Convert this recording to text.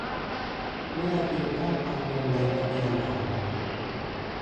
เมื่อพิมพ์ข้อความลงในทะเบียนหย่าแล้ว